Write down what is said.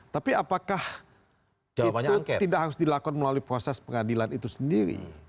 tapi apakah itu tidak harus dilakukan melalui proses pengadilan itu sendiri